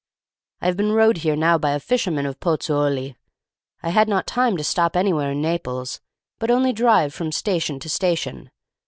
I have been rowed here now by a fisherman of Pozzuoli. I had not time to stop anywhere in Naples, but only to drive from station to station.